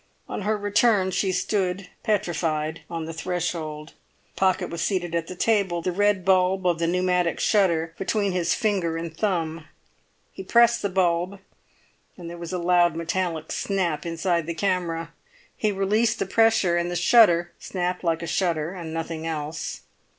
On her return she stood petrified on the threshold. Pocket was seated at the table, the red bulb of the pneumatic shutter between his finger and thumb; he pressed the bulb, and there was a loud metallic snap inside the camera; he released the pressure, and the shutter snapped like a shutter and nothing else.